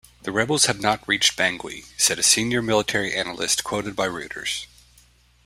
The rebels have not reached Bangui, said a senior military analyst quoted by Reuters.